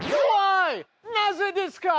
なぜですか！